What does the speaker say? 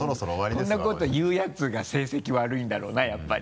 こんなこと言うやつが成績悪いんだろうなやっぱり。